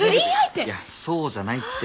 いやそうじゃないって。